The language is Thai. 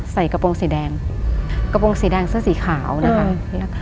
กระโปรงสีแดงกระโปรงสีแดงเสื้อสีขาวนะคะ